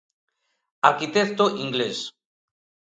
Arquitecto inglés.